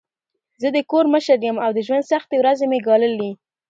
زه د کور مشر یم او د ژوند سختې ورځي مې ګاللي.